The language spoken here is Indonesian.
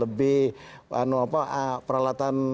lebih apa peralatan